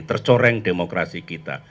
tercoreng demokrasi kita